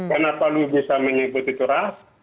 karena kalau bisa menyebut itu ras